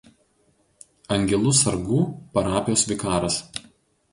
Angelų Sargų parapijos vikaras.